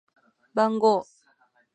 番号